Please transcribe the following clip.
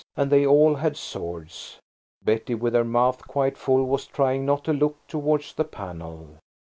And they all had swords. Betty, with her mouth quite full, was trying not to look towards the panel.